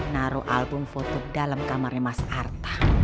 naruh album foto dalam kamarnya mas arta